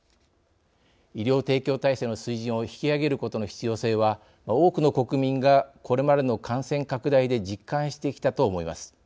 医療提供体制の水準を引き上げることの必要性は多くの国民がこれまでの感染拡大で実感してきたと思います。